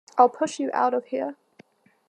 I'll push you out of here.